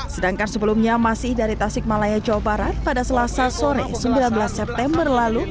sedangkan sebelumnya masih dari tasik malaya jawa barat pada selasa sore sembilan belas september lalu